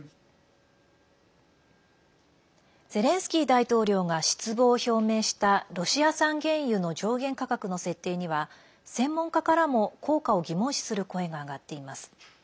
ゼレンスキー大統領が失望を表明したロシア産原油の上限価格の設定には専門家からも、効果を疑問視する声が上がっています。